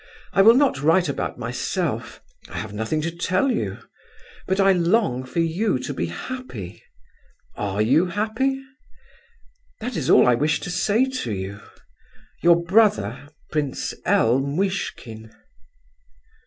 I will not write about myself. I have nothing to tell you. But I long for you to be happy. Are you happy? That is all I wished to say to you—Your brother, "Pr. L. Muishkin."